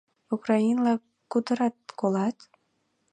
Украинла кутырат, колат?